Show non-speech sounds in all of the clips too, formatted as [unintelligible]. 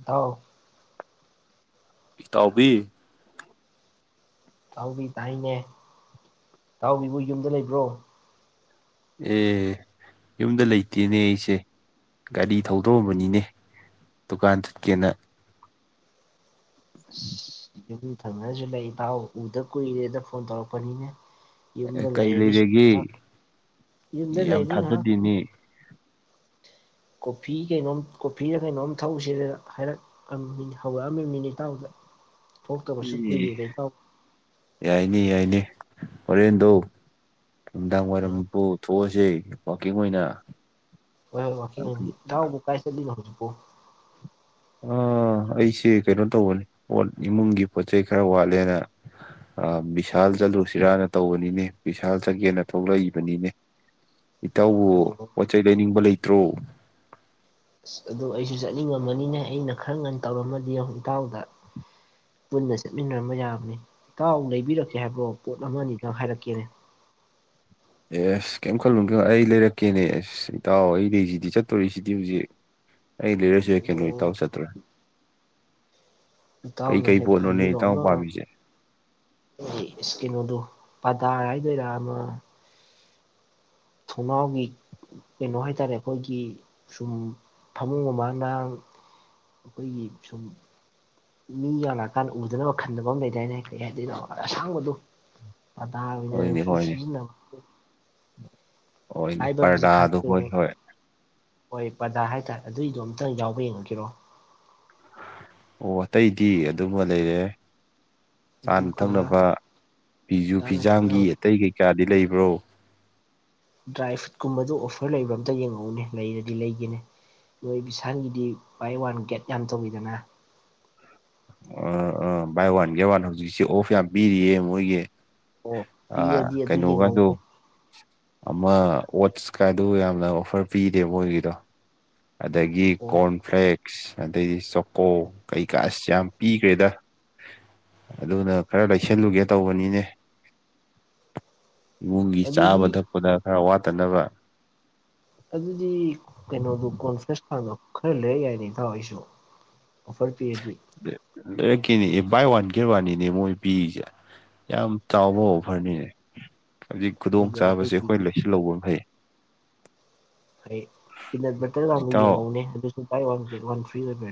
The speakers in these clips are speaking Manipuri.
ꯏꯇꯥꯎ ꯏꯇꯥꯎꯕꯤ ꯇꯥꯎꯕꯤ ꯇꯥꯏꯅꯦ ꯇꯥꯎꯕꯤꯕꯨ ꯌꯨꯝꯗ ꯂꯩꯕ꯭ꯔꯣ ꯑꯦ ꯌꯨꯝꯗ ꯂꯩꯇꯦꯅꯦ ꯑꯩꯁꯦ ꯒꯥꯔꯤ ꯊꯧꯗꯣꯛꯑꯝꯕꯅꯤꯅꯦ ꯗꯨꯀꯥꯟ ꯆꯠꯀꯦꯅ ꯑꯁ [inaudible] ꯌꯨꯝ ꯊꯪꯅꯅꯁꯨ ꯂꯩ ꯏꯇꯎ ꯎꯗ ꯀꯨꯏꯔꯦꯅ ꯐꯣꯟ ꯇꯧꯔꯛꯄꯅꯤꯅꯦ ꯌꯨꯝꯗ ꯀꯩ ꯂꯩꯔꯗꯤ ꯁꯨꯝ ꯉꯍꯥꯛ ꯂꯩꯔꯒꯦ ꯌꯨꯝꯗ ꯌꯥꯝ ꯂꯩꯔꯗꯤ ꯉꯥꯏꯍꯥꯛ ꯊꯥꯖꯗꯦꯅꯦ ꯀꯣꯐꯤ ꯀꯩꯅꯣꯝ ꯀꯣꯐꯤꯔ ꯀꯩꯅꯣꯝ ꯊꯛꯎꯁꯤꯔꯅ ꯍꯥꯏꯔꯛ ꯑꯝ ꯍꯧꯔꯛꯑꯝꯃꯤꯅꯤꯅꯦ ꯏꯇꯥꯎꯗ [inaudible] ꯎꯝ ꯀꯨꯏꯔꯦꯗ ꯏꯇꯥꯎ ꯌꯥꯏꯅꯦ ꯌꯥꯏ ꯅꯦ ꯍꯣꯔꯦꯟꯗꯣ ꯅꯨꯡꯗꯥꯡ ꯋꯥꯏꯔꯝ ꯑ ꯄꯨꯊꯣꯛꯑꯁꯦ ꯋꯥꯀꯤꯡ ꯑꯣꯏꯅ ꯍꯣꯏ ꯋꯤꯀꯤꯡ ꯑꯣꯏꯅ ꯏꯇꯥꯎꯕꯨ ꯀꯥꯢ ꯆꯠꯂꯤꯅꯣ ꯍꯧꯖꯤꯛꯄꯨ ꯑꯥ ꯑꯩꯁꯦ ꯀꯩꯅꯣ ꯇꯧꯕꯅꯤ ꯄꯣꯠ ꯏꯃꯨꯡꯒꯤ ꯄꯣꯠ ꯆꯩꯩ ꯈꯔ ꯋꯥꯠꯂꯦꯅ ꯑꯥ ꯚꯤꯁꯥꯜ ꯆꯂꯨꯁꯤꯔꯥꯅ ꯇꯧꯕꯅꯤꯅꯦ ꯚꯤꯁꯥꯜ ꯆꯠꯒꯦꯅ ꯊꯣꯛꯂꯛꯏꯕꯅꯤꯅꯦ [inaudible] ꯏꯇꯧꯎꯕꯨ ꯑꯣ ꯄꯣꯠ ꯆꯩꯩ ꯂꯩꯅꯤꯡꯕ ꯂꯩꯇ꯭ꯔꯣ ꯑꯁ ꯑꯗꯨ ꯑꯩꯁꯨ ꯆꯠꯅꯤꯡꯉꯝꯕꯅꯤꯅꯦ ꯑꯩꯅ ꯈꯔ ꯉꯟꯅ ꯇꯧꯔꯝꯃꯗꯤ ꯌꯦꯡꯉꯣ ꯏꯇꯥꯎꯗ ꯄꯨꯟꯅ ꯆꯠꯃꯤꯟꯅꯔꯝꯕ ꯌꯥꯕꯅꯤ ꯏꯇꯥꯎ ꯂꯩꯕꯤꯔꯛꯀꯦ ꯍꯥꯏꯕ꯭ꯔꯣ ꯄꯣꯠ ꯑꯃ ꯑꯅꯤꯗꯪ ꯍꯥꯏꯔꯛꯀꯦꯅꯦ [inaudible] ꯑꯦꯁ ꯀꯩꯝ ꯈꯜꯂꯨꯅꯨ ꯀꯩꯅꯣ ꯑꯩ ꯂꯩꯔꯛꯀꯦꯅꯦ ꯑꯦꯁ ꯏꯇꯥꯎ ꯑꯩ ꯂꯩꯁꯤꯗꯤ ꯆꯠꯇꯣꯔꯤꯁꯤꯗꯤ ꯍꯧꯖꯤꯛ ꯑꯩ ꯂꯩꯔꯛꯑꯁꯨ ꯌꯥꯢ ꯀꯩꯅꯣ ꯑꯣ ꯏꯇꯥꯎ ꯆꯠꯇ꯭ꯔ [inaudible] ꯏꯇꯥꯎꯅ ꯍꯦꯛ ꯄꯣꯠꯅꯣꯅꯦ ꯈꯟꯕꯤꯔꯣ ꯏꯇꯥꯎ ꯑꯃ ꯄꯥꯝꯃꯤꯁꯦ ꯏꯁꯀꯤꯅꯣꯗꯨ ꯄ ꯇ ꯍꯥꯏꯗꯣꯏꯔ ꯑꯃ ꯊꯣꯡꯅꯥꯎꯒꯤ ꯀꯩꯅꯣ ꯍꯥꯏꯇꯥꯔꯦ ꯑꯩꯈꯣꯏꯒꯤ ꯁꯨꯝ ꯐꯃꯨꯡ ꯃꯄꯥꯟꯗ ꯑꯩꯈꯣꯏꯒꯤ ꯁꯨꯝ ꯃꯤ ꯌꯥꯝ ꯂꯥꯛꯑꯀꯥꯟꯗ ꯎꯗꯅꯕ ꯈꯟꯗꯕ ꯑꯃ ꯂꯩꯗꯥꯏꯅꯦ ꯀꯩ ꯍꯥꯏꯗꯣꯏꯅꯣ ꯑꯁꯥꯡꯕꯗꯣ ꯄꯗꯥꯔ ꯍꯣꯏꯅꯦ ꯑꯣꯢꯅꯁꯨ ꯍꯣꯏꯅꯦ ꯁꯤꯖꯤꯟꯅꯕ [unintelligible] ꯍꯣꯏꯅꯦ ꯄꯔꯗꯥꯗꯣ ꯍꯣꯏ ꯍꯣꯏ ꯑꯣꯏ ꯄꯗꯔ ꯍꯥꯏ ꯇꯥꯔꯦ ꯑꯗꯨꯏꯗꯣ ꯑꯝꯇꯪ ꯌꯥꯎꯕ ꯌꯦꯡꯉꯈꯤꯔꯣ ꯑꯣ ꯑꯇꯩꯗꯤ ꯑꯗꯨꯝꯃ ꯂꯩꯔꯦ ꯆꯥꯅ ꯑꯗꯨꯒ ꯊꯛꯅꯕ ꯐꯤꯁꯨꯨ ꯆꯥꯅ ꯐꯤꯖꯥꯝꯒꯤ ꯊꯛꯅꯕ ꯑꯇꯩ ꯀꯩꯀꯥꯗꯤ ꯂꯩ ꯕ꯭ꯔꯣ ꯗ꯭ꯔꯥꯏ ꯐ꯭ꯔꯨꯏꯠꯀꯨꯝꯕꯗꯨ ꯑꯣꯐꯔ ꯂꯩꯕ꯭ꯔ ꯑꯝꯇ ꯌꯦꯡꯉꯛꯎꯅꯦ ꯂꯩꯔꯗꯤ ꯂꯩꯒꯦꯅꯦ ꯅꯣꯏ ꯕꯤꯁꯥꯜꯒꯤꯗꯤ ꯕꯥꯏ ꯋꯥꯟ ꯒꯦꯠ ꯌꯥꯝ ꯇꯧꯋꯤꯗꯅ ꯑꯥ ꯑꯥ ꯕꯥꯏ ꯋꯥꯟ ꯒꯦꯠ ꯋꯥꯟ ꯍꯧꯖꯤꯛꯁꯤ ꯑꯣꯐ ꯌꯥꯝ ꯄꯤꯔꯤꯌꯦ ꯃꯣꯏꯒꯤ ꯑꯣ ꯑꯥ ꯄꯤꯔꯗꯤ ꯑꯗꯨ ꯀꯩꯅꯣꯒꯥꯗꯣ ꯌꯦꯡꯍꯧꯒꯦ ꯑꯃ ꯑꯣꯠꯁꯀꯗꯨ ꯌꯥꯝꯅ ꯑꯣꯐꯔ ꯄꯤꯔꯦ ꯃꯣꯢꯒꯤꯗꯣ ꯑꯗꯒꯤ ꯑꯣ ꯀꯣꯔꯟꯐ꯭ꯂꯦꯛꯁ ꯑꯗꯩꯗꯤ ꯆꯣꯀꯣ ꯀꯩꯀꯥ ꯑꯁ ꯌꯥꯝ ꯄꯤꯈ꯭ꯔꯦꯗ ꯑꯗꯨꯅ ꯈꯔ ꯂꯩꯁꯜꯂꯨꯒꯦ ꯇꯧꯕꯅꯤꯅꯦ ꯏꯃꯨꯡꯒꯤ ꯑꯗꯨꯗꯤ ꯆꯥꯕ ꯊꯛꯄꯗ ꯈꯔ ꯋꯥꯠꯇꯅꯕ ꯑꯗꯨꯗꯤ ꯀꯩꯅꯣꯗꯣ ꯀꯣꯟꯐ꯭ꯔꯦꯁ ꯀꯥꯗꯣ ꯈꯔ ꯂꯩꯔꯛ ꯌꯥꯏꯅꯦ ꯏꯇꯥꯎ ꯑꯩꯁꯨ ꯑꯣꯐꯔ ꯄꯤꯔꯗꯤ ꯂꯩꯔꯛꯀꯦꯅꯦ ꯕꯥꯏ ꯋꯥꯟ ꯒꯦꯠ ꯋꯥꯟꯅꯤꯅꯦ ꯃꯣꯏ ꯄꯤꯔꯤꯁꯦ ꯌꯥꯝ ꯆꯥꯎꯕ ꯑꯣꯐꯔꯅꯤꯅꯦ ꯍꯧꯖꯤꯛ ꯈꯨꯗꯣꯡ ꯑꯗꯨꯒ ꯆꯥꯕꯁꯦ ꯑꯇꯩꯗꯤ ꯑꯩꯈꯣꯏ ꯂꯩꯁꯤꯜꯍꯧꯕꯅ ꯐꯩ ꯍ ꯄꯤꯅꯠ ꯕꯇꯔꯒ ꯑꯃꯨꯛ ꯏꯇꯥꯎ ꯌꯦꯡꯉꯛꯎꯅꯦ ꯑꯗꯨꯁꯨ buy one get one free ꯂꯩꯕ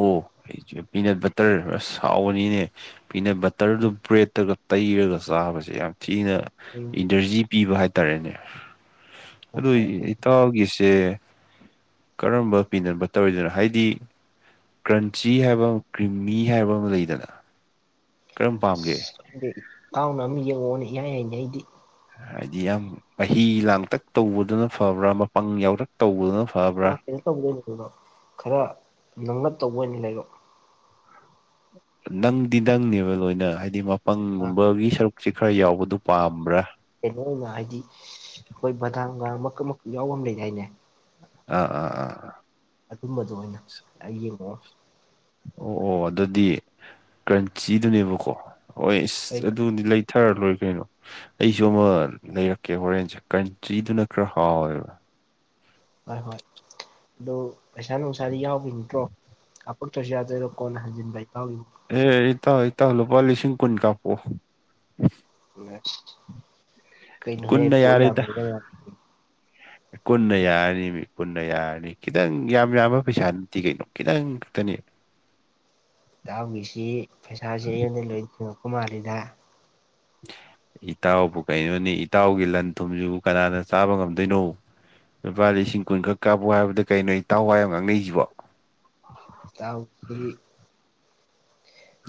ꯑꯣ ꯑꯩ ꯄꯤꯅꯠ ꯕꯇꯔ ꯁꯥꯎꯕꯅꯤꯅꯦ ꯄꯤꯅꯠ ꯕ ꯇꯔꯗꯨ ꯕ꯭ꯔꯦꯗꯠꯇꯒ ꯇꯩꯔꯒ ꯆꯥꯕꯁꯦ ꯌꯥꯝ ꯊꯤꯅ ꯏꯅꯔꯖꯤ ꯄꯤꯕ ꯍꯥꯏꯇꯥꯔꯦꯅꯦ ꯑꯗꯨ ꯑꯁ ꯏꯇꯥꯎꯒꯤꯁꯦ ꯀꯔꯝꯕ ꯄꯤꯅꯠ ꯕꯇꯔ ꯑꯣꯢꯗꯣꯢꯅꯣ ꯍꯥꯏꯗꯤ ꯀ꯭ꯔꯟꯆꯤ ꯍꯥꯏꯕ ꯑꯃ ꯀ꯭ꯔꯤꯝꯃꯤ ꯍꯥꯏꯕ ꯑꯃ ꯂꯩꯗꯅ ꯀꯔꯝ ꯄꯥꯝꯒꯦ ꯇꯥꯎꯅ ꯑꯃ ꯌꯦꯡꯉꯛꯑꯣꯅꯦ ꯏꯌꯥꯢ ꯌꯥꯏꯅꯦ ꯑꯩꯗꯤ ꯍꯥꯏꯗꯤ ꯌꯥꯝ ꯃꯍꯤ ꯂꯥꯡꯇꯛ ꯇꯧꯕꯗꯨꯅ ꯐꯕ꯭ꯔꯥ ꯃꯄꯪ ꯌꯥꯎꯔꯛ ꯇꯧꯕꯗꯨꯅ ꯈꯔ ꯐꯕ꯭ꯔꯥ ꯀꯩꯅꯣ ꯇꯧꯕꯗꯣ ꯑꯣꯢꯅꯂꯩꯔꯛꯑꯣ ꯈꯔ ꯅꯪꯂꯞ ꯇꯧꯕ ꯑꯣꯢ ꯂꯩꯔꯣ ꯅꯪꯗꯤ ꯅꯪꯅꯦꯕ ꯂꯣꯏꯅ ꯍꯥꯏꯗꯤ ꯃꯄꯪꯒꯨꯝꯕꯒꯤ ꯁꯔꯨꯛ ꯁꯤ ꯈꯔ ꯌꯥꯎꯕꯗꯨ ꯄꯥꯝꯕ꯭ꯔꯥ ꯀꯩꯅꯣ ꯑꯣꯏꯅ ꯍꯥꯏꯗꯤ ꯑꯩꯈꯣꯏ ꯕꯗꯥꯝꯒ ꯃꯀꯛ ꯃꯀꯨ ꯌꯥꯎꯕ ꯑꯃ ꯂꯩ ꯗꯥꯏꯅꯦ ꯑꯥ ꯑꯥ ꯑꯥ ꯑꯗꯨꯝꯕꯗꯣ ꯑꯣꯏꯅ ꯑꯩ ꯌꯦꯡꯉꯛꯑꯣ ꯑꯣ ꯑꯣ ꯑꯗꯨꯗꯤ ꯀ꯭ꯔꯟꯆꯤꯗꯨꯅꯦꯕꯀꯣ ꯍꯣꯏ ꯏꯁ ꯑꯗꯨꯗꯤ ꯂꯩꯊꯔ ꯂꯣꯏꯔ [inaudible] ꯑꯩꯁꯨ ꯑꯃ ꯂꯩꯔꯛꯀꯦ ꯍꯣꯔꯦꯟꯁꯦ ꯀ꯭ꯔꯟꯆꯤꯗꯨꯅ ꯈꯔ ꯍꯥꯎꯋꯦꯕ ꯍꯣꯏ ꯍꯣꯏ ꯑꯗꯨ ꯄꯩꯁꯥ ꯅꯨꯡꯁꯥꯗꯤ ꯌꯥꯎꯈꯤ ꯅꯠꯇ꯭ꯔꯣ ꯀꯥꯄꯛꯇ꯭ꯔꯁꯨ ꯌꯥꯗꯣꯏꯔꯣ ꯀꯣꯟ ꯍꯟꯖꯤꯟꯕꯥ ꯏꯇꯥꯎꯒꯤ ꯑꯦ ꯏꯇꯥꯎ ꯏꯇꯥꯎ ꯂꯨꯄꯥ ꯂꯤꯁꯤꯡ ꯀꯨꯟ ꯀꯥꯄꯑꯣ ꯀꯩꯅꯣ ꯍꯦꯛ ꯀꯨꯟꯅ ꯄꯣꯠ ꯌꯥꯔꯦꯗ ꯌꯥꯝꯃꯦ ꯀꯨꯟꯅ ꯌꯥꯔꯅꯤ ꯃꯤ ꯀꯨꯟꯅ ꯌꯥꯔꯅꯤ ꯈꯤꯇꯪ ꯌꯥꯝ ꯌꯥꯝꯕ ꯄꯩꯁꯥ ꯅꯠꯇꯦ ꯀꯩꯅꯣ ꯈꯤꯇꯪ ꯈꯛꯇꯅꯤ ꯇꯥꯎꯈꯤꯁꯤ ꯄꯩꯁꯥꯁꯦ ꯑꯩꯉꯣꯟꯗꯩ ꯂꯣꯏ ꯊꯦꯡꯉꯛꯄ ꯃꯥꯜꯂꯤꯗ [inaudible] ꯏꯇꯥꯎꯕꯨ ꯀꯩꯅꯣꯅꯤ ꯏꯇꯥꯎꯒꯤ ꯂꯟ ꯊꯨꯝꯁꯤꯕꯨ ꯀꯅꯥꯅ ꯆꯥꯕ ꯉꯝꯗꯣꯏꯅꯣ ꯂꯨꯄꯥ ꯂꯤꯁꯤꯡ ꯀꯨꯟꯈꯛ ꯀꯥꯞꯄꯨ ꯍꯥꯏꯕꯗ ꯀꯩꯅꯣꯇꯥꯎꯋꯥꯏ ꯌꯥꯝ ꯉꯥꯡꯅꯩꯁꯤꯕꯣ ꯇꯥꯎꯀꯤ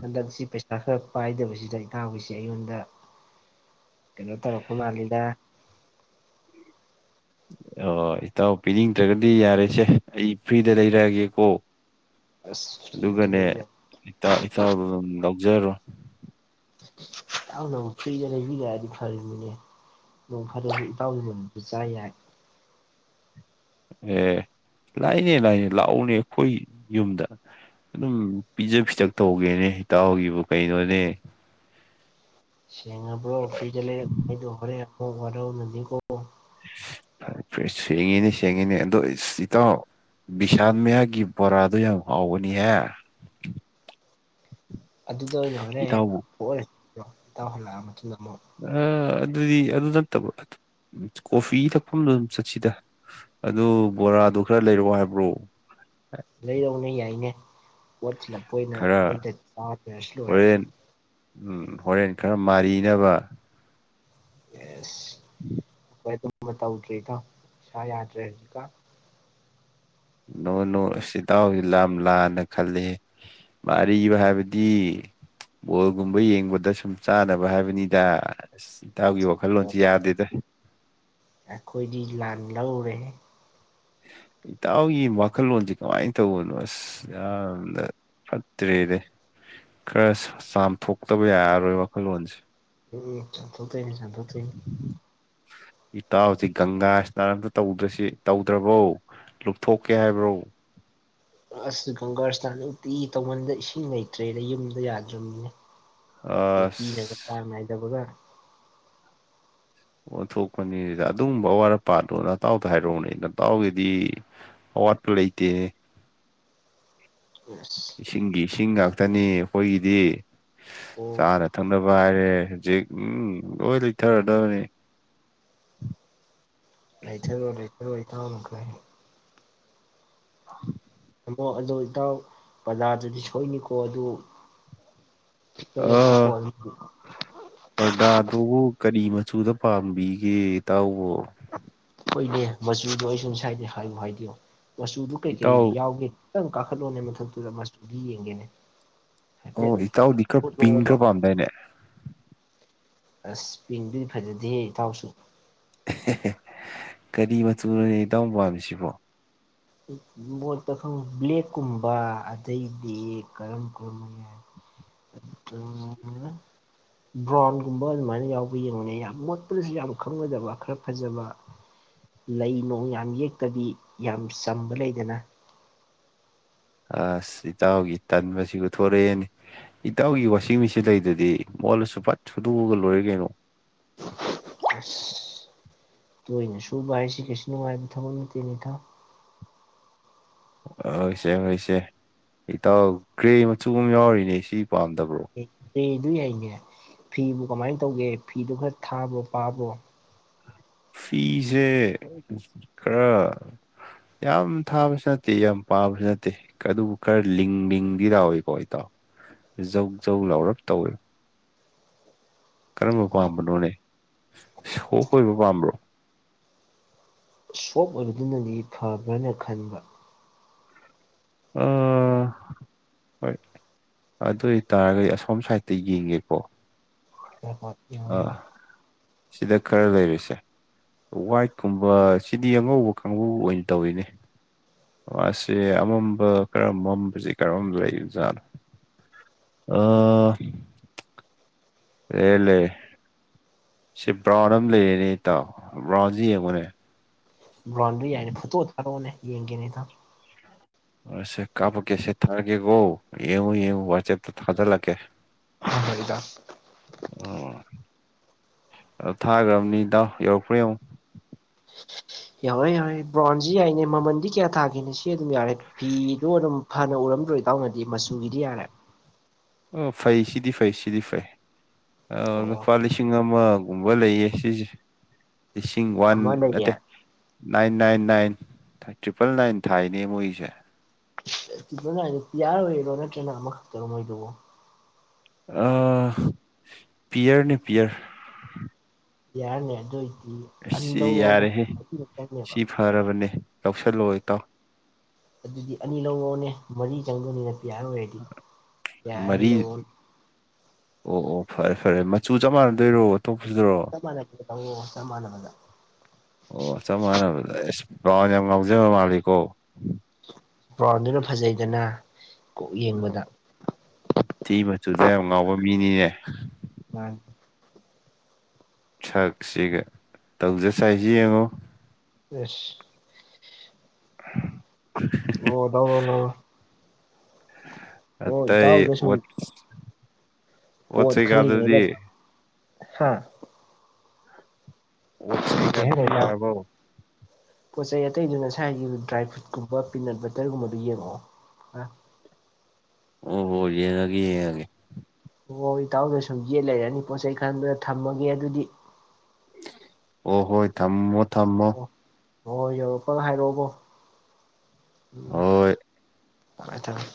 ꯍꯟꯗꯛꯁꯤ ꯄꯩꯁꯥ ꯈꯔ ꯄꯥꯏꯗꯕꯁꯤꯗ ꯏꯅꯥꯎꯒꯤꯁꯤ ꯑꯩꯉꯣꯟꯗ ꯀꯩꯅꯣ ꯇꯧꯔꯛꯄ ꯃꯜꯂꯤꯗ ꯑꯣ ꯏꯇꯥꯎ ꯄꯤꯅꯤꯡꯗ꯭ꯔꯒꯗꯤ ꯌꯥꯔꯦꯁꯦ ꯑꯩ ꯐ꯭ꯔꯤꯗ ꯂꯩꯔꯛꯑꯒꯦꯀꯣ ꯑꯁ ꯐ꯭ꯔꯤꯗ ꯑꯗꯨꯒꯅꯦ ꯂꯩꯔ ꯏꯇꯥꯎꯗ ꯑꯗꯨꯝ ꯂꯧꯖꯔꯣ ꯏꯇꯥꯎꯅꯕꯨ ꯐꯔꯤꯗ ꯂꯩꯕꯤꯔꯗꯤ ꯐꯔꯤꯅꯤꯅꯦ ꯅꯣꯛ ꯐꯥꯗꯣꯛꯁꯨ ꯏꯇꯥꯎꯒꯤ ꯃꯔꯟ ꯆꯥ ꯌꯥꯏ ꯌꯦ ꯂꯥꯏꯅꯦ ꯂꯥꯏꯅꯦ ꯂꯥꯛꯎꯅꯦ ꯑꯩꯈꯣꯏ ꯌꯨꯝꯗ ꯑꯗꯨꯝ ꯄꯤꯖ ꯄꯤꯊꯛ ꯇꯧꯒꯦꯅꯦ ꯏꯇꯥꯎꯒꯤꯕꯨ ꯀꯩꯅꯣꯅꯦ ꯁꯦꯡꯉꯕ꯭ꯔꯣ ꯐꯔꯤꯗ ꯂꯩꯍꯟꯗꯣꯏꯗꯣ ꯍꯔꯦꯟꯃꯨꯛ ꯋꯥꯔꯧꯅꯅꯤꯀꯣ ꯁꯦꯡꯉꯤꯅꯦ ꯁꯦꯡꯉꯤꯅꯦ ꯑꯗꯣ ꯏꯇꯥꯎ ꯕꯤꯁꯥꯜ ꯃꯌꯥꯒꯤ ꯕꯣꯔꯥꯗꯨꯣ ꯌꯥꯝ ꯍꯥꯎꯕꯅꯤꯍꯦ [inaudible] ꯑꯗꯨꯗ ꯑꯣꯏꯅ ꯍꯣꯔꯦꯟ ꯏꯇꯥꯎꯕꯨ ꯊꯣꯛꯎꯔꯁꯦ ꯍꯣꯔꯦꯟ ꯏꯇꯥꯎ ꯍꯜꯂꯛꯑꯒ ꯑ ꯑꯗꯨꯗꯤ ꯑꯗꯨ ꯅꯠꯇꯕ ꯀꯣꯐꯤ ꯊꯛꯐꯝꯗꯣ ꯑꯗꯨꯝ ꯆꯠꯁꯤꯗ ꯑꯗꯨ ꯕꯣꯔꯥ ꯑꯗꯨ ꯈꯔ ꯂꯩꯔꯛꯑꯣ ꯍꯥꯏꯕ꯭ꯔꯣ [inaudible] ꯂꯩꯔꯛꯎꯅꯦ ꯌꯥꯏꯅꯦ ꯄꯣꯠ ꯊꯤꯜꯂꯛꯄ ꯑꯣꯏꯅ ꯈꯔ ꯑꯩꯈꯣꯏꯗ ꯆꯥꯈꯔꯁꯤ ꯂꯣꯏꯔꯦ ꯍꯣꯔꯦꯟ ꯎꯝ ꯍꯣꯔꯦꯟ ꯈꯔ ꯃꯥꯔꯤꯅꯕ ꯌꯦꯁ [inaudible] ꯑꯩꯈꯣꯏ ꯑꯗꯨꯝꯕ ꯇꯧꯗ꯭ꯔꯤꯀꯣ ꯏꯁꯥ ꯌꯥꯗ꯭ꯔꯦ ꯍꯧꯖꯤꯛꯀꯥ ꯅꯣ ꯅꯣ ꯏꯇꯥꯎꯁꯤ ꯌꯥꯝ ꯂꯥꯟꯅ ꯈꯜꯂꯤ ꯃꯥꯔꯤꯕ ꯍꯥꯏꯕꯗꯤ ꯕꯣꯜꯒꯨꯝꯕ ꯌꯦꯡꯕꯗ ꯁꯨꯝ ꯆꯥꯅꯕ ꯍꯥꯏꯕꯅꯤꯗ ꯑ ꯇꯥꯎꯒꯤ ꯋꯥꯈꯜꯂꯣꯟꯁꯤ ꯌꯥꯗꯦꯗ ꯑꯩꯈꯣꯏꯗꯤ ꯂꯥꯟ ꯂꯧꯔꯨꯔꯦꯍꯦ ꯏꯇꯥꯎꯒꯤ ꯋꯥꯈꯜꯂꯣꯟꯁ ꯀꯃꯥꯏꯅ ꯇꯧꯕꯅꯣ ꯑꯁ ꯌꯥꯝꯅ ꯐꯠꯇ꯭ꯔꯦꯗꯤ ꯈꯔ ꯆꯥꯝꯊꯣꯛꯇꯕ ꯌꯥꯔꯔꯣꯏ ꯋꯥꯈꯜꯂꯣꯟꯁꯦ ꯍ ꯆꯥꯝꯊꯣꯛꯇꯩꯅꯤ ꯆꯥꯝꯊꯣꯛꯇꯣꯏꯅꯤ ꯏꯇꯥꯎꯁꯤ ꯒꯪꯒꯥ ꯏꯁꯅꯥꯟ ꯑꯝꯇ ꯇꯧꯗ꯭ꯔꯁꯤ ꯇꯧꯗ꯭ꯔꯕꯣ ꯂꯨꯞꯊꯣꯛꯀꯦ ꯍꯥꯏꯕ꯭ꯔꯣ ꯑꯁ ꯒꯪꯒꯔꯁꯅꯥꯟ ꯅꯨꯡꯇꯤ ꯇꯧꯃꯟꯗ ꯏꯁꯤꯡ ꯂꯩꯇ꯭ꯔꯦꯗ ꯌꯨꯝꯗ ꯌꯥꯗ꯭ꯔꯕꯅꯤꯅꯦ ꯇꯣ ꯇꯤꯅꯒ ꯑꯁ ꯆꯥꯡꯅꯥꯢꯗꯕꯒ ꯑꯣꯟꯊꯣꯛꯄꯅꯤꯗ ꯑꯗꯨꯒꯨꯝꯕ ꯑꯋꯥꯠꯄꯥꯗꯣ ꯅꯇꯥꯎꯗ ꯍꯥꯏꯔꯛꯑꯣꯅꯦ ꯅꯇꯥꯎꯒꯤꯗꯤ ꯑꯋꯥꯠꯄ ꯂꯩꯇꯦ ꯌꯦꯁ ꯏꯁꯤꯡꯒꯤ ꯏꯁꯤꯡ ꯉꯥꯛꯇꯅꯤ ꯑꯩꯈꯣꯏꯒꯤꯗꯤ ꯑꯣ ꯆꯥꯅ ꯊꯛꯅꯕ ꯋꯥꯚꯏꯔꯦ ꯍꯧꯖꯤꯛ ꯎꯝ ꯂꯣꯏ ꯂꯩꯊꯔꯗꯕꯅꯤ ꯂꯩ ꯊꯔꯣ ꯂꯩ ꯊꯔꯣ ꯢꯇꯥꯎ [unintelligible] ꯇꯥꯃꯣ ꯑꯗꯣ ꯏꯇꯥꯎ ꯕꯖꯥꯔꯗꯨꯗꯤ ꯁꯣꯏꯅꯤꯀꯣ ꯑꯗꯨ ꯑ ꯂꯩꯔꯛꯎꯀꯣ ꯑꯗꯨꯝ ꯄꯗꯥ ꯑꯗꯨ ꯀꯔꯤꯃ ꯆꯨꯗ ꯄꯥꯝꯕꯤꯒꯦ ꯏꯇꯥꯎꯕꯣ ꯑꯣꯏꯅꯦ ꯃꯆꯨꯗꯣ ꯑꯩ ꯁꯨ ꯉꯥꯁꯥꯏꯗꯦ ꯍꯥꯏꯌꯨ ꯍꯥꯏꯗꯌꯣ ꯃꯆꯨꯗ ꯀꯩꯀꯩ ꯏꯇꯥꯎ ꯌꯥꯎꯒꯦ ꯍꯥꯢꯄꯦꯠ ꯇꯪ ꯀꯈꯠꯂꯛ ꯑꯣꯅꯦ ꯃꯊꯛꯇꯨꯗ ꯃꯁꯨꯗꯨ ꯌꯦꯡꯒꯦꯅꯦ ꯑꯣ ꯍꯥꯏꯐꯦꯠ ꯏꯇꯥꯎꯗꯤ ꯈꯔ ꯄꯤꯡ ꯎꯠꯂꯛꯑꯣꯕ ꯈꯔ ꯄꯥꯝꯗꯥꯏꯅꯦ ꯑꯁ ꯄꯤꯡꯗꯨꯗꯤ ꯐꯖꯗꯦꯍꯦ ꯏꯇꯥꯎꯁꯨ ꯀꯔꯤ ꯃꯆꯨꯅꯣꯅꯦ ꯏꯇꯥꯎ ꯄꯥꯝꯃꯤꯁꯤꯕꯣ ꯃꯣꯠꯇ ꯈꯪꯉ ꯕ꯭ꯂꯦꯛꯀꯨꯝꯕ ꯑꯗꯩꯗꯤ ꯀꯔꯝ ꯀꯔꯝꯕ ꯌꯥꯏ ꯑꯗꯨꯝ ꯕ꯭ꯔꯥꯎꯟꯒꯨꯝꯕ ꯑꯗꯨꯃꯥꯏꯅ ꯌꯥꯎꯕ ꯌꯦꯡꯕꯅꯦ ꯌꯥꯝ ꯃꯣꯠꯄꯗꯁꯨ ꯌꯥꯝ ꯈꯪꯉꯣꯢꯗꯕ ꯈꯔ ꯐꯖꯕ ꯂꯩ ꯅꯣꯡ ꯌꯥꯝ ꯌꯦꯛꯇꯕꯤ ꯌꯥꯝ ꯆꯝꯕ ꯂꯩꯗꯅ ꯑꯁ ꯏꯇꯥꯎꯒꯤ ꯇꯟꯕꯁꯤ ꯎꯊꯣꯔꯛꯑꯦꯅꯦ ꯏꯇꯥꯎꯒꯤ ꯋꯥꯁꯤꯡ ꯃꯦꯆꯤꯟ ꯂꯩꯗꯨꯗꯤ ꯃꯣꯠꯂꯁꯨ ꯄꯠ ꯁꯨꯗꯣꯛꯑꯒ ꯂꯣꯏꯔꯦ ꯀꯩꯅꯣ [unintelligible] ꯇꯣꯏꯏꯅ ꯁꯨꯕꯥꯏꯁꯤ ꯀꯩ ꯅꯨꯉꯥꯢꯕ ꯊꯥꯕꯥꯛ ꯅꯠꯇꯦꯅꯦ ꯏꯇꯥꯎ ꯍꯣꯏꯁꯦ ꯍꯣꯢꯁꯦ ꯏꯇꯥꯎ ꯒ꯭ꯔꯦ ꯃꯆꯨꯒ ꯑꯃ ꯌꯥꯎꯔꯤꯅꯦ ꯁꯤ ꯄꯥꯝꯗꯕ ꯑꯦ ꯑꯗꯨꯏ ꯌꯥꯏꯅꯦ ꯐꯤꯕꯨ ꯀꯃꯥꯏꯅ ꯇꯧꯒꯦ ꯐꯤꯗꯨ ꯈꯔ ꯊꯥꯕꯔꯣ ꯄꯥꯕ꯭ꯔꯣ ꯐꯤꯁꯦ ꯈꯔ ꯌꯥꯝ ꯊꯥꯕꯁꯨ ꯅꯠꯇꯦ ꯌꯥꯝ ꯄꯥꯕꯁꯨ ꯅꯠꯇꯦ ꯑꯗꯨꯕꯨ ꯈꯔ ꯂꯤꯡ ꯂꯤꯡꯗꯤ ꯂꯥꯎꯏꯀꯣ ꯏꯇꯥꯎ ꯖꯧ ꯖꯧ ꯂꯥꯎꯔꯞ ꯇꯧꯏ [inaudible] ꯀꯔꯝꯕ ꯄꯥꯝꯕꯅꯣꯅꯦ ꯁꯣꯞ ꯑꯣꯏꯕ ꯄꯥꯝꯕ꯭ꯔꯣ ꯁꯣꯞ ꯑꯣꯏꯕꯗꯨꯅꯗꯤ ꯐꯕ꯭ꯔꯅ ꯈꯟꯕ ꯑꯥ ꯍꯣꯏ ꯑꯗꯨ ꯑꯣꯏꯇꯥꯔꯒꯗꯤ ꯑꯁꯣꯝ ꯁꯥꯏꯗꯠꯇ ꯌꯦꯡꯒꯦꯀꯣ ꯍꯣꯢ ꯍꯣꯢ ꯌꯦꯡꯉꯣ ꯌꯦꯡꯉꯣ ꯑꯥ ꯁꯤꯗ ꯈꯔ ꯂꯩꯔꯤꯁꯦ ꯋꯥꯏꯠꯀꯨꯝꯕ ꯁꯤꯗꯤ ꯑꯉꯧꯕ ꯀꯥꯡꯕꯨ ꯑꯣꯏꯅ ꯇꯧꯋꯤꯅꯦ ꯑꯁꯦ ꯑꯃꯝꯕ ꯀꯔꯝꯕꯕꯁꯤ ꯀꯔꯝꯕ ꯂꯩ ꯖꯥꯠꯅꯣ ꯑꯥ ꯑꯦ ꯂꯩꯔꯦ ꯁꯤ ꯕ꯭ꯔꯥꯎꯟ ꯑꯃ ꯂꯩꯔꯦꯅꯦ ꯏꯇꯥꯎ ꯕ꯭ꯔꯥꯎꯟꯁꯤ ꯌꯦꯡꯉꯨꯅꯦ ꯕ꯭ꯔꯥꯎꯟꯗ꯭ꯔꯤ ꯌꯥꯏꯅꯤ ꯐꯨꯠꯇꯣ ꯊꯥꯔꯚꯎꯅꯦ ꯌꯦꯡꯒꯦꯅꯦ ꯏꯇꯥꯎ ꯑꯁꯦ ꯀꯥꯞꯄꯀꯦ ꯁꯦ ꯊꯥꯔꯛꯀꯦꯀꯣ ꯌꯦꯡꯉꯨ ꯌꯦꯡꯉꯨ ꯋꯥꯆꯦꯞꯇ ꯊꯥꯖꯜꯂꯛꯀꯦ [unintelligible] ꯑꯥ ꯊꯥꯈ꯭ꯔꯕꯅꯤ ꯏꯇꯥꯎ ꯌꯧꯔꯛꯄ꯭ꯔꯥ ꯌꯦꯡꯉꯨ ꯌꯥꯎꯋꯦ ꯌꯥꯎꯋꯦ ꯕ꯭ꯔꯥꯎꯟꯁꯤ ꯌꯥꯏꯅꯦ ꯃꯃꯜꯗꯤ ꯀꯌꯥ ꯊꯥꯈꯦꯅꯦ ꯁꯤ ꯑꯗꯨꯝ ꯌꯥꯔꯦ ꯐꯤ ꯑꯗꯨ ꯑꯗꯨꯝ ꯐꯅ ꯎꯔꯝꯗ꯭ꯔꯣ ꯏꯇꯥꯎꯅꯗꯤ ꯃꯆꯨꯒꯤꯗꯤ ꯌꯥꯔꯦ ꯑꯣ ꯐꯩ ꯁꯤꯗꯤ ꯐꯩ ꯁꯤꯗꯤ ꯐꯩ ꯑꯥ ꯑꯣ ꯂꯨꯄꯥ ꯂꯤꯁꯤꯡ ꯑꯃ ꯑꯃꯒꯨꯝꯕ ꯂꯩ ꯌꯦ ꯁꯤꯖ ꯂꯤꯁꯤꯡ ꯋꯥꯟ ꯑꯃ ꯅꯠꯇꯦ ꯂꯩꯌꯦ nine nine nine triple nine ꯊꯥꯏꯅꯦ ꯃꯣꯏꯁꯦ ꯏꯁ ꯇ꯭ꯔꯤꯄꯟ ꯅꯥꯏꯟ ꯗꯨꯕꯨ ꯄꯤꯌꯥꯔ ꯑꯣꯏꯔꯣ ꯅꯠꯇ꯭ꯔ ꯅ ꯑꯃꯈꯛꯇꯔꯣ ꯃꯣꯏꯗꯨꯕꯨ ꯑꯥ ꯄꯤꯌꯔꯅꯦ ꯄꯤꯌꯔ ꯌꯥꯔꯅꯦ ꯑꯗꯨ ꯑꯅꯤ ꯑꯁꯤ ꯂꯧꯔꯣꯅꯦ ꯌꯥꯔꯦꯍꯦ ꯃꯔꯤ ꯈꯛꯇꯪꯅꯦꯕ ꯁꯤ ꯐꯔꯕꯅꯦ ꯂꯧꯁꯜꯂꯣ ꯏꯇꯥꯎ ꯑꯗꯨꯗꯤ ꯑꯅꯤ ꯂꯧꯔꯣꯅꯦ ꯃꯔꯤ ꯇꯧꯅꯕꯗꯣ ꯃꯔꯤ ꯂꯑꯣ ꯑꯣ ꯑꯣ ꯐꯔꯦ ꯐꯔꯦ ꯃꯆꯨ ꯆꯞ ꯃꯥꯟꯅꯗꯣꯏꯔꯣ ꯇꯣꯛꯈꯗ꯭ꯔꯣ ꯆꯞ ꯃꯥꯟꯅꯕꯗ ꯂꯑꯣ ꯆꯞ ꯃꯥꯟꯅꯕꯗ ꯑꯣ ꯆꯞ ꯃꯥꯟꯅꯕꯗ ꯑꯦꯁ ꯕ꯭ꯔꯥꯎꯟ ꯌꯥꯝ ꯉꯧꯖꯕ ꯃꯥꯂꯤꯀꯣ ꯭ꯕꯔꯥꯎꯟꯖꯤꯅ ꯐꯖꯩꯗꯅ ꯀꯣꯛ ꯌꯦꯡꯕꯗ ꯊꯤ ꯃꯆꯨꯗ ꯌꯥꯝ ꯉꯥꯎꯕ ꯃꯤꯅꯤꯅꯦ ꯃꯥꯅꯤ ꯁꯛ ꯁꯤꯒ ꯇꯧꯖ ꯁꯥꯏꯖꯦ ꯌꯦꯡꯉꯣ ꯌꯦꯁ ꯑꯣ ꯂꯧꯔꯣ ꯂꯧꯔꯣ ꯑꯣ ꯑꯇꯩ ꯏꯇꯥꯎ ꯍꯣꯏꯗꯁꯨꯝ ꯑꯣꯠ ꯑꯣꯠꯁ ꯄꯣꯠ ꯈꯜꯂꯤꯉꯩꯗ ꯀꯩꯀꯥꯗꯨꯗꯤ ꯍꯥ ꯑꯣꯠꯁ ꯀꯩ ꯍꯥꯏꯅꯣ ꯀꯩꯀꯥꯗꯨꯗꯤ ꯑꯩ ꯇꯥꯗꯦ ꯌꯥꯔꯕꯣ ꯄꯣꯠ ꯆꯩ ꯑꯇꯩꯗꯨ ꯉꯁꯥꯏꯒꯤ ꯗ꯭ꯔꯥꯏ ꯐ꯭ꯔꯨꯏꯠꯀꯨꯝꯕ ꯄꯤꯅꯠ ꯕꯇ꯭ꯔꯒꯨꯝꯕꯗꯨ ꯌꯦꯡꯉꯛꯑꯣ ꯑ ꯑꯣ ꯍꯣ ꯌꯦꯡꯉꯒꯦ ꯌꯦꯡꯉꯒꯦ ꯍꯣꯏ ꯏꯇꯥꯎꯗ ꯁꯨꯝ ꯌꯦꯠ ꯂꯩꯔꯅꯤ ꯄꯣꯠꯆꯩ ꯈꯟꯕꯗ ꯊꯝꯃꯒꯦ ꯑꯗꯨꯗꯤ ꯑꯣ ꯍꯣꯏ ꯊꯝꯃꯣ ꯊꯝꯃꯣ ꯍꯣꯏ ꯍꯣꯏ ꯌꯧꯔꯛꯄꯒ ꯍꯥꯏꯔꯛꯑꯣꯀꯣ ꯎꯝ ꯍꯣꯏ ꯊꯝꯃꯦ ꯊꯝꯃꯦ